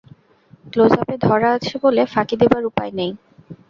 ক্লোজআপে ধরা আছে বলে ফাঁকি দেবার উপায় নেই।